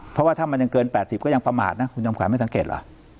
เพราะว่าถ้ามันยังเกิน๘๐ก็ยังประมาทนะคุณจำขวัญไม่สังเกตเหรอ